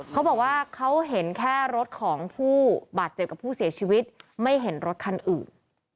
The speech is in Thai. เขาบอกว่าเขาเห็นแค่รถของผู้บาดเจ็บกับผู้เสียชีวิตไม่เห็นรถคันอื่น